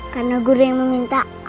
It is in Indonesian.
karena guru yang meminta aku akan memberikan